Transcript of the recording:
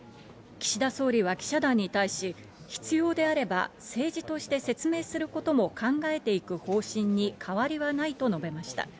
岸田総理は記者団に対し、必要であれば政治として説明することも考えていく方針に変わりはないと述べました。